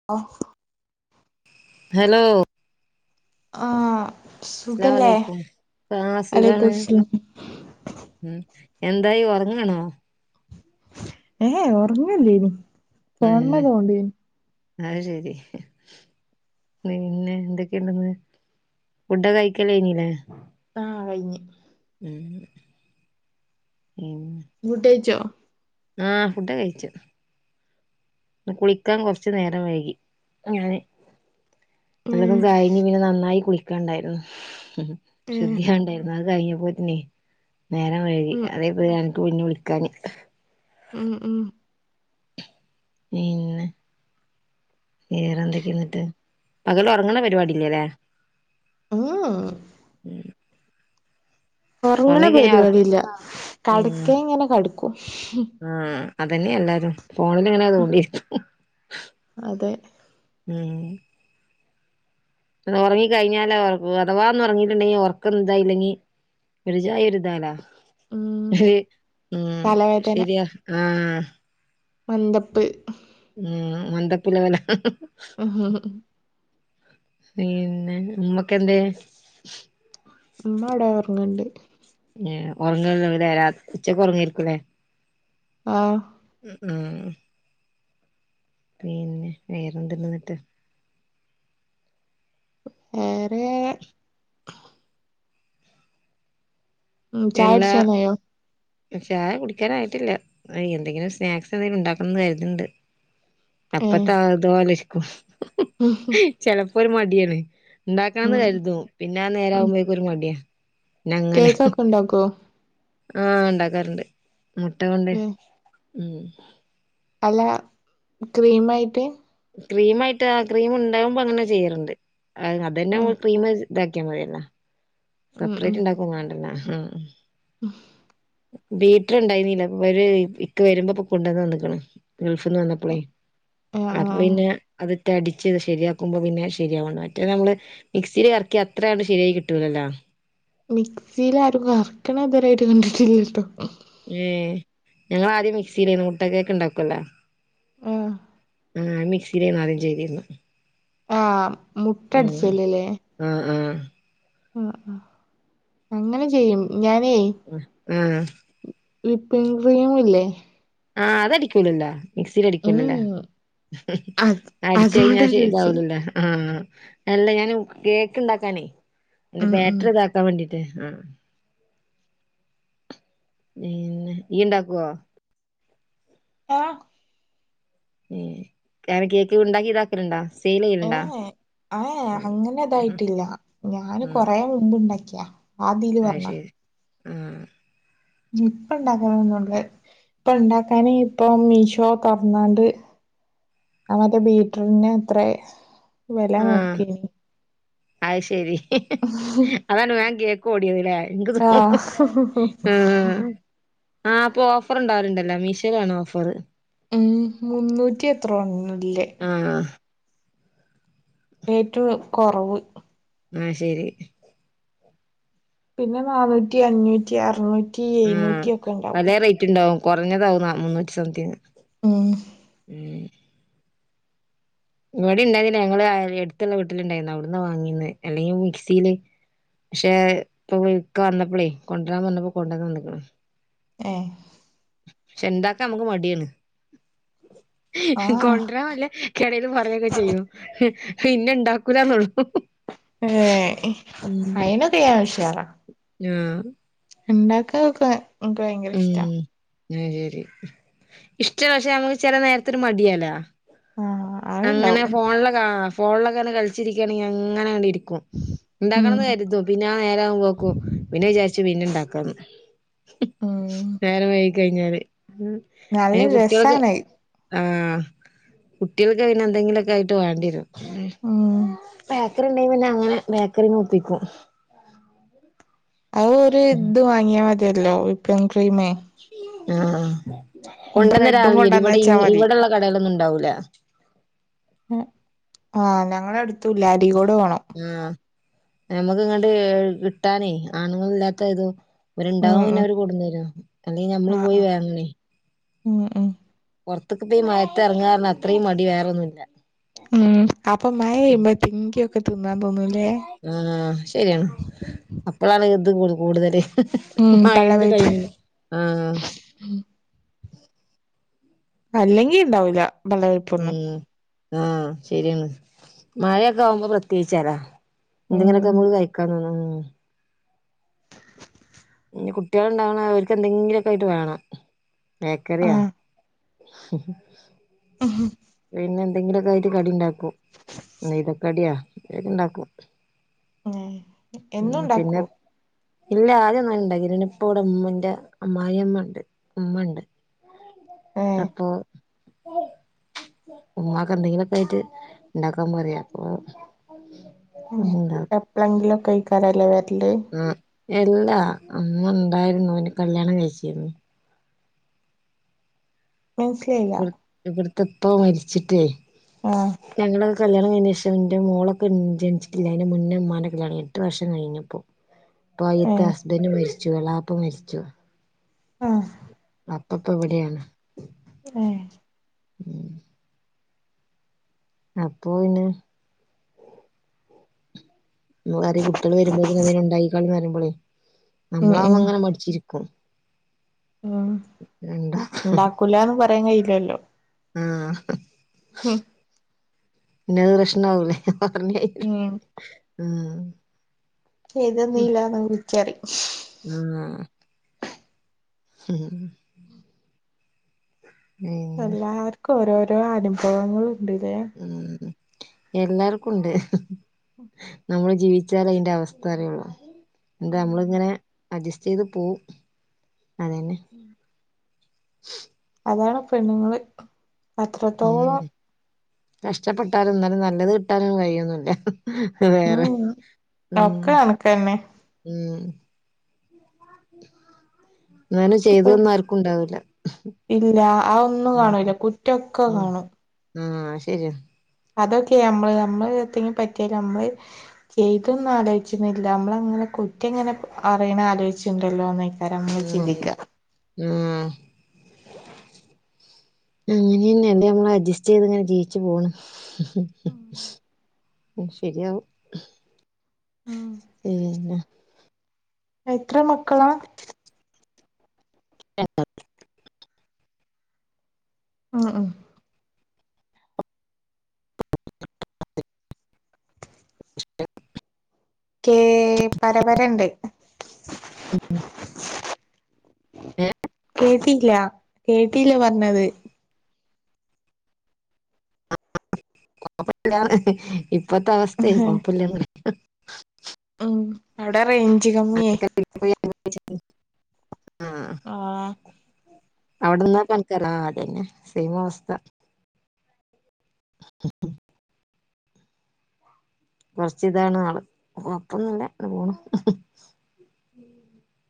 [unintelligible] Hello ആഹ് അസ്സലാമു സുഖല്ലേ അലൈക്കും ആ സുഖാണ് വലൈക്ക്സ്സലാം ഉം എന്തായി ഒറങ്ങണോ ഏഹ് ഒറങ്ങല്ലേനി ആഹ് അത് ശരി പിന്നെ എന്തൊക്കെയണ്ടന്ന് ഫുഡൊ കഴിക്കലേകഴിനീല്ലേ ആഹ് കയിഞ്ഞ് ഉം [unintelligible] വുഡ് കഴിച്ചോ ആഹ് ഫുഡ് കഴിച്ചു കുളിക്കാൻ കൊറച്ചു നേരം വൈകി [unintelligible] ഉം [unintelligible] കഴിഞ്ഞ് ഇങ്ങന്നെ നന്നായി കുളിക്കാണ്ടായിരുന്നു ഉം ശുദ്ധിയാണ്ടായിരുന്നു അത് കഴിഞ്ഞപോത്തന്നെ നേരം വൈകി ഉം അതെപ്പ കുഞ്ഞു വിളിക്കാന് ഉം ഉം പിന്നെ വേറെന്തൊക്കെയ എന്നിട്ട് പകല് ഉറങ്ങണ പരിപാടി ഇല്ലേല്ലേ [unintelligible] ഒറങ്ങണെ ഉറങ്ങിക്കഴിഞ്ഞാ ഉറക്ക പരിപാടി ഇല്ല കടക്ക ഉം ഇങ്ങനെ കടക്കും ആഹ് അതന്നെയല്ലാരും ഫോണിലിങ്ങനെ തോണ്ടിരിക്കും അതെ ഉം ഒറങ്ങി കഴിഞ്ഞാല [unintelligible] അഥവാ ഒന്ന് ഒറങ്ങിട്ടുണ്ടെങ്കി ഒറക്കം ഇതായില്ലെങ്കി ഒരു ചായ ഒരുരിതാലാ ഉം ഉം തലവേദന ശരിയാ ആഹ് മന്ദപ്പ് ഉം മന്ദപ്പുല വല്ല [unintelligible] പിന്നെ ഉമ്മക്ക എന്തെ ഉമ്മ അവിടെ ഉറങ്ങീണ്ട് [unintelligible] ഒറങ്ങ [unintelligible] രാ ഉച്ചക്കെ ഒറങ്ങരിക്കൂല്ലേ ആഹ ഉം പിന്നെ വേറെന്ന്നിട്ട് വേറെ ഉം പിന്ന ചായടിച്ചാനായോ ചായ കുടിക്കാൻ ആയിട്ടില്ല ആ എന്തെങ്കിലും സ്നാക്സ് ഉണ്ടാക്കണംന്ന് കരുതുന്നുണ്ട് അപ്പത്തെ അതോലിരിക്കും ഹും ചെലപ്പോ ഒരു മടിയാണ് ഉണ്ടാക്കാന്ന് ഉം കരുതും പിന്നെ നേര ഉം ആകുമ്പോഴേക്കും ഒരു മടിയാ പിന്നെ അങ്ങനെ കേക്കൊക്കെ ഉണ്ടാക്കോ? ആഹ് ഉണ്ടാക്കാറുണ്ട് മുട്ട കൊണ്ട് ഏഹ് ഉം അല്ല ക്രീം ആയിട്ട് ക്രീംആയിട്ട് ക്രീം ഉണ്ടാകുമ്പോ അങ്ങനെ ചെയ്യാറുണ്ട് അത് തന്നെ ഉം ക്രീം ഇതാക്കിയാൽ മതിയല്ലോ ഉം സെപ്പറേറ്റ് ഉണ്ടാക്കും വേണ്ടല്ല ഹും ബീറ്റർ ഉണ്ടായിരുന്നില്ല ഒരു ഇക്ക വരുമ്പോ ഇപ്പൊ കൊണ്ടുവന്നന്ന് വന്നക്കണ ഗൾഫിൽന്ന് വന്നപ്പോളേ അപ്പ ആഹ് പിന്നെ അത്റ്റ അടിച്ച്ത് ശരിയാക്കുമ്പോ പിന്നെ ശരിയാവ മറ്റേ നമ്മള് മിക്സിയില് കറക്കി അത്രണ്ട് ശരിയായി കിട്ടൂലല്ലോ മിക്സിൽ ആരും കറക്കണ ഇതരായിട്ട് കണ്ടിട്ടില്ലട്ടോ [unintelligible] ഞങ്ങൾ ആദ്യം മിക്സിലെ മുട്ടക്കൊക്കെ ഉണ്ടാക്കുവല്ലോ ആഹ ആഹ് മിക്സിയിലന്ന് ആദ്യം ചെയ്തിരുന്നു ആ് മുട്ടടിച്ചല്ല അല്ലേ ആഹ ആഹ ആ ആ അങ്ങനെ ചെയ്യും ഞാനേയ് ഉം വിപ്പിൻ ക്രീമില്ലേ? ആഹ് അതടിക്കൂലല്ലോ മിക്സിൽ അടിക്കൂലല്ലേ ഉം അത് അടിച്ച അതുകൊണ്ടാ കഴിഞ്ഞാൽ ചോദിച്ചേ താവലല്ലേ ആഹ അല്ല ഞാൻ കേക്ക് ഉണ്ടാക്കാനേ എന്റെ ഉം ഉം ബാറ്ററിതക്കാൻ വേണ്ടിട്ട് ആഹ പിന്നെ ഈ ഉണ്ടാക്കുവോ ആഹ [unintelligible] കേക്ക ഉണ്ടാക്കിതാ ണ്ടാ സേല ഏഹ ഏ അങ്ങനെ ഉം ഇതായിട്ടില്ല ഞാന് കൊറെ മുൻപ ഉണ്ടാക്കിയാ ആതില് അ പറഞ്ഞ ശരി ആഹ ഇപ്പ ഇണ്ടാക്കണന്നണ്ട് ഇപ്പൊ ഉണ്ടാക്കാന് ഇപ്പൊ മീഷോ തറന്നാണ്ട് അവറ്റേ ബീറ്ററിന് എത്ര ആഹ അത് ശരി അതാണ് മാൻ കേക്ക ഓടിയതില്ലേ ആഹ് [unintelligible] ആഹ അപ്പൊ ഓഫർ ഉണ്ടാവലുണ്ടല്ലോ മീഷോയിലാണ് ഓഫറ് ഉ മുന്നൂറ്റി എത്രോണല്ലേ ആഹ ഏറ്റവും കുറവ് ആഹ ശരി പിന്നെ നന്നൂറ്റി അഞ്ഞൂറ്റി അറുന്നൂറ്റി എഴുന്നൂറ്റി ഒക്കെ ഉണ്ടാവും ണ്ടാവും കുറഞ്ഞതാവുന്ന മുന്നൂറ്റി സംതിങ് ആഹ [inaudible] ഇവിടെ ഇണ്ടായിരുന്നില്ല ഞങ്ങള് എടുത്തുള്ള വീട്ടിൽ ഇണ്ടായിരുന്നു അവിടന്നാ വാങ്ങിയന്ന് അല്ലെങ്കിൽ മിക്സിയില് പക്ഷെ ഇപ്പൊക്കെ വന്നപ്പോളേ കൊണ്ടുവരാൻ വന്നപ്പോ കൊണ്ടുവന്ന വന്നിക്കണം [unintelligible] പക്ഷെ എന്താക്കാ നമുക്ക് മടിയാണ് ആഹ് കൊണ്ടരാൻല്ലേ കിടയിൽ പറഞ്ഞൊക്കെ ചെയ്യോ ഇന്നെ ഇണ്ടാക്കൂല എന്നോള്ളു ഏഹ അയിനൊക്കെ ഞാൻ ഉഷാറ ആഹ ഉണ്ടാക്കാക്കെ എനിക്ക് ഭയങ്കര ഇഷ്ട ഉ ശരി ഇഷ്ട പക്ഷെ നമുക്ക് ചെല നേരത്തിൽ മടിയാ ആഹ് അങ്ങനെ അത്ണ്ടാവും ഫോണിലക്കെ ഫോണിലൊക്കെ തെ കളിച്ചിരിക്കുകയാണെങ്കിൽ അങ്ങനെ വേണ്ടി ഇരിക്കും ഉം ഉണ്ടാക്കണംന്ന് കരുതും പിന്നെ നേരോക്കും പിന്നെ വിചാരിച്ചു പിന്നെ ഇണ്ടാക്കാന്ന് ഉം നേര കഴിഞ്ഞാല് നല്ല ഉ കുട്ടികൾക്ക് രസാണത് ആഹ കുട്ടികൾക്ക് പിന്നെ എന്തെങ്കിലുമൊക്കെ ആയിട്ട് വേണ്ടിരും ഉം [unintelligible] പിന്നെ അങ്ങനെ ബേക്കറി നിർത്തിക്കും അത് ഒ ഒരു ഇത് വാങ്ങിയാൽ മതിയല്ലോ വിപ്ൻ ക്രീമ ആ ബ്രെഡും കൊണ്ടന്നൊരാൾ കൊണ്ടന്ന് ഇവിടെ വെച്ചാ മതി ഇവിടെള്ള കടകളൊന്നും ഇണ്ടാവൂല ആഹ് ഞങ്ങള അടുത്തല്ലാരികോട് പോണം ആഹ നമുക്ക് ഇങ്ങോട്ട കിട്ടാനേ ആണുങ്ങൾ ഇല്ലാത്ത ഇതോ ഉം അവരുണ്ടാവുംന്നെ ഉം അവര് കൊടുു തരും അല്ലെങ്കിൽ നമ്മള് ആഹ് പോയി ആഹ് വേങ്ങനെ [unintelligible] ഉം ഉ പുറത്തെക്കെ പോയി മയത്തിറങ്ങുക അത്രയും മടി വേറൊന്നുമല്ല ഉം അപ്പൊ മഴ കഴുമ്പോ തിങ്കിയൊക്കെ തിന്നാൻ തോന്നൂലേ ആഹ ശരിയാണ് അപ്പോഴാണ് ഇത് കൂടുതല് ഉം ആ എണ്ട് പള്ളവേപ്പ് ടൈമില് ആഹ അല്ലെങ്കി ഉണ്ടാവൂല്ല ബെള് ഉം ആഹ ശരിയന്നാ മഴയൊക്കെ ആവുമ്പോ പ്രത്യേകിച്ചാലാ എന്തെങ്കിലെക്കെ ഉം നമ്മക്ക് കഴിക്കതൊന്നും ഇ കുട്ടികളുണ്ടാവണ അവർക്ക്ന്തെങ്കിലുമൊക്കെ ആയിട്ട് വേണം ബേക്കറിയാ ആഹ് ഉ പിന്നെ എന്തെങ്കിലുമൊക്കെയിട്ടു കടി ഉണ്ടാക്കും ഇതൊക്കെ അടിയാ അതക്കെ ഉണ്ടാക്കും ഏഹ് ഉം എന്നും പിന്നെ ഉണ്ടാക്കോ ഇല്ല ആദ്യംഒന്നും ഉണ്ടാക്കില്ല പിന്നെ ഇപ്പ ഇവിടെ ഉമ്മന്റെ അമ്മായിഅമ്മ ഉണ്ട് ഉമ്മ ഉണ്ട് ഏഹ് അപ്പൊ ഉമ്മാക്ക് എന്തെങ്കിലുമൊക്കെ ആയിട്ട് ഉണ്ടാക്കാൻ പറയാ അപ്പൊ [unintelligible] ഇപ്പളെങ്കിലും കയിക്കാനല്ലേ വരല് ആഹ് എല്ലാ അന്ന് ഉണ്ടായിരുന്നു അന് കല്യാണം കഴിച്ചിന്ന് മനസ്സിലായില്ല ഇവിടത്തെ ഉപ്പ മരിച്ചിട്ടേ ആഹ് ഞങ്ങള് കല്യാണംകഴിഞ്ഞതിന് ശേഷം എൻന്റെ മോളൊക്കെ ജനിച്ചിട്ടില്ല അന്റെ മുന്നേ ഉമ്മാനെ കല്ല്യാണം എട്ട് വർഷം കഴിഞ്ഞിപ്പോൾ ഇപ്പോയിത്തെ ഏഹ് ഹസ്ബന് മരിച്ചു എളപ്പ മരിച്ചു ആഹ അപ്പപ്പ ഇവിടെയാണ് ഏ ഉം അപ്പൊ പിന്നെ [unintelligible] കുട്ട്യൾ വരുമ്പത്തിന് [unintelligible] ണ്ടായിക്കാള് ന്നറീമ്പളെ ഉം നമ്മള അവുബോ ഉം ഇങ്ങനെ മടിച്ചിരുക്കും ഉം ഉണ്ടാക്കൂലന്ന് പറയാൻ കയില്ലല്ലോ ആ ഹ് ഹും പിന്നെത് പ്രശ്നാവൂലേ ഹ് പറ കയിഞ്ഞാ ഉം ഉ ചെയ്തന്നില്ലന്ന് വിളിച്ചറിയും ഉം [unintelligible] ഹും ഹൂം എല്ലാർക്കും ഓരോരോ അനുഭവങ്ങള് ഇണ്ട്ല്ലേ ഉം എല്ലാർക്കുണ്ട് ഹും നമ്മള് ജീവിച്ചാലേ അയിന്റെ അവസ്ഥ അറിയുള്ളൂ എന്താ നമ്മളിങ്ങനെ അഡ്ജസ്റ്റ് ചെയ്ത് പോവും അതന്നെ ഉം അതാണ് പെണ്ണ്ങ്ങള് ഉം കഷ്ടപ്പെട്ടാലും എന്നാലും നല്ലത് കിട്ടാനും വഴിയൊന്നില്ല അ വേറെ ഉം ഉ ഒക്കെ കണക്കന്നെ ഉം [inaudible] അങ്ങനെ ചെയ്തു തന്ന ആർക്കും ഉണ്ടാവൂല ഇല്ല അതൊന്നും ഉം കാണൂല കുറ്റൊക്കെ ഉം ആ ശെരിയ അതൊക്കെയ നമ്മള് നമ്മള് എതങ്കിലും പറ്റിയല് നമ്മള് ചെയ്തൊന്നും ആലോചിന്നില്ല നമ്മള അങ്ങനെ കുറ്റം എങ്ങനെ അറിയണ ആലോചിട്ടുണ്ടല്ലോ ഉം ഉം അങ്ങനെന്നെയണ്ട് നമ്മള് അഡ്ജസ്റ്റ് ചെയ്ത് ഇങ്ങനെ ജീവിച്ച് പോണ് ഹും ഉം ശെരിയാവും ഉം പിന്നെ എത്ര മക്കളാ? ഉം ഉം എ [unintelligible] ക്കേ പരപരണ്ട് ഓെ [unintelligible] കേട്ടില്ല കേട്ടില്ല പറഞ്ഞത് [inaudible] കൊഴപ്പില്ല ഇപ്പത്തെ അവസ്ഥയ കൊഴപ്പില്ലന്ന് ഉം അവടെ റേഞ്ച് കമ്മിയേ [inaudible] ആഹ് ആ അവിടന്നാ കണക്കരാ ആ അതെന്നെ സേയിംഅവസ്ഥ കൊറച്ച് ഇതാണ് ആള് കൊഴപ്പൊന്നുല്ല ങ്ങനെപോണു ഉം